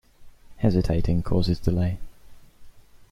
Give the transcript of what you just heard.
Hesitating causes delay.